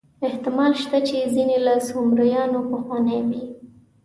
احتمال شته چې ځینې له سومریانو پخواني وي.